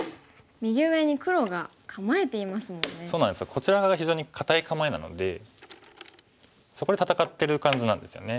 こちら側が非常に堅い構えなのでそこで戦ってる感じなんですよね。